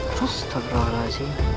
terus terlalu gaji